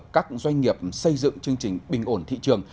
các doanh nghiệp xây dựng chương trình bình ổn thị trường